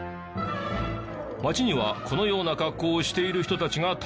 街にはこのような格好をしている人たちがたくさん。